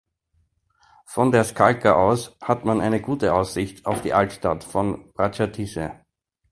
Von der Skalka aus hat man eine gute Aussicht auf die Altstadt von Prachatice.